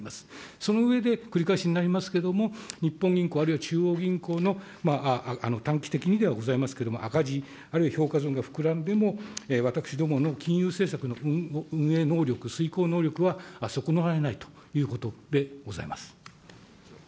その上で、繰り返しになりますけれども、日本銀行、あるいは中央銀行の短期的にではございますけれども、赤字あるいは評価損が膨らんでも、私どもの金融政策の運営能力、遂行能力は、損なわれないということでございます。